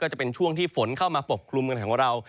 ก็จะเป็นช่วงที่ฝนเข้ามาปกคลุมกัน